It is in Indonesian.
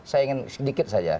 saya ingin sedikit saja